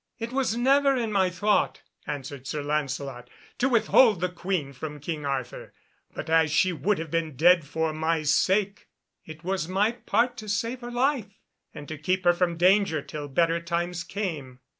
"It was never in my thought," answered Sir Lancelot, "to withhold the Queen from King Arthur, but as she would have been dead for my sake it was my part to save her life, and to keep her from danger till better times came.